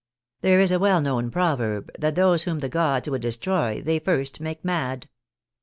There is a well known proverb that those whom the gods would destroy they first make mad.